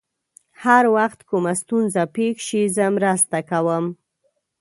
هر وخت کومه ستونزه پېښ شي، زه مرسته کوم.